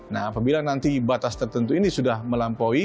nah apabila nanti batas tertentu ini sudah melampaui